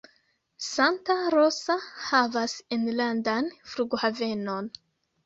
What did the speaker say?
Santa Rosa havas enlandan flughavenon.